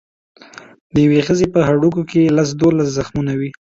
د یوې ښځې په هډوکو کې لس دولس زخمونه وو.